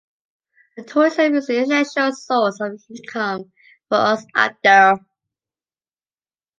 The tourism is an essential source of income for Aust-Agder.